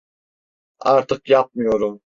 Artık yapmıyorum.